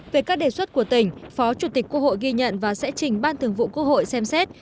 về các đề xuất của tỉnh phó chủ tịch quốc hội ghi nhận và sẽ trình ban thường vụ quốc hội xem xét